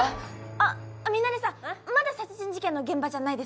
あっミナレさんまだ殺人事件の現場じゃないです。